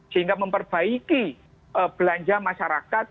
sehingga memperbaiki belanja masyarakat